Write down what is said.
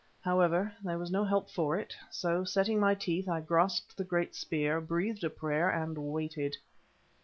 However, there was no help for it, so, setting my teeth, I grasped the great spear, breathed a prayer, and waited.